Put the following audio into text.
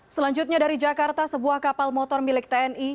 selanjutnya dari jakarta sebuah kapal motor milik tni